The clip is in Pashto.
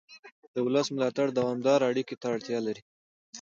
د ولس ملاتړ دوامداره اړیکې ته اړتیا لري